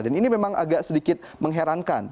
dan ini memang agak sedikit mengherankan